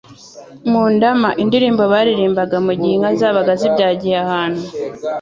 Mu ndama : indirimbo baririmbaga mu gihe inka zabaga zibyagiye ahantu,